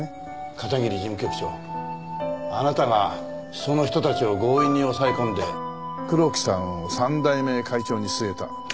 片桐事務局長あなたがその人たちを強引に抑え込んで黒木さんを３代目会長に据えた。